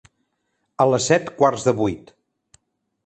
A les set, quarts de vuit.